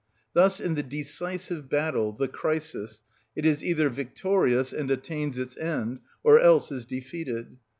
Thus in the decisive battle, the crisis, it is either victorious and attains its end, or else is defeated.